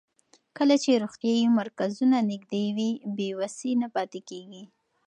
کله چې روغتیايي مرکزونه نږدې وي، بې وسۍ نه پاتې کېږي.